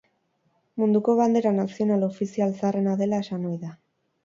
Munduko bandera nazional ofizial zaharrena dela esan ohi da.